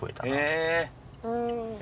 へえ！